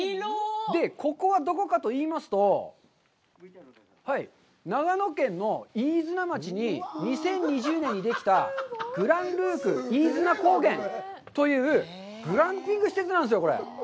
ここはどこかといいますと、長野県の飯綱町に２０２０年にできたグランルーク飯綱高原というグランピング施設なんですよ、これ。